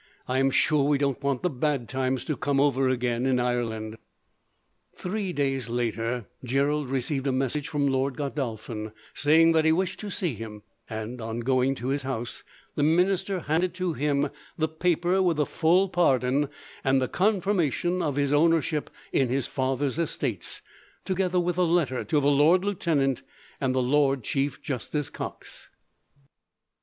I am sure we don't want the bad times to come over again, in Ireland." Three days later, Gerald received a message from Lord Godolphin, saying that he wished to see him; and, on going to his house, the minister handed to him the paper with the full pardon, and the confirmation of his ownership in his father's estates; together with a letter to the lord lieutenant, and the Lord Chief Justice Cox.